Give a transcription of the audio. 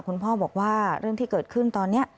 คุณพ่อบอกว่าเรื่องที่เกิดขึ้นตอนนี้